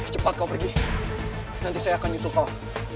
cepat kau pergi nanti saya akan nyusul kau